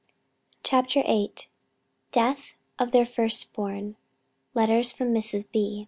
3.] CHAPTER VIII. DEATH OF THEIR FIRST BORN. LETTERS FROM MRS.